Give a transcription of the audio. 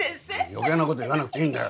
余計なこと言わなくていいんだよ。